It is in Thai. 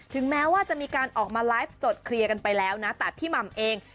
แม้ว่าจะมีการออกมาไลฟ์สดเคลียร์กันไปแล้วนะแต่พี่หม่ำเอง